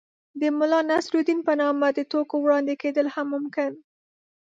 د ملا نصر الدين په نامه د ټوکو وړاندې کېدل هم ممکن